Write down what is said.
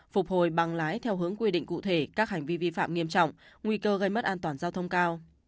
phục hồi bằng lái theo hướng quy định cụ thể các hành vi vi phạm nghiêm trọng nguy cơ gây mất an toàn giao thông cao